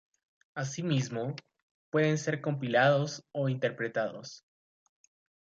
Asimismo, pueden ser compilados o interpretados.